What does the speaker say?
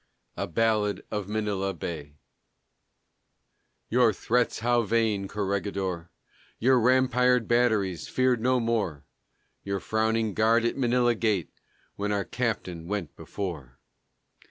A BALLAD OF MANILA BAY Your threats how vain, Corregidor; Your rampired batteries, feared no more; Your frowning guard at Manila gate, When our Captain went before!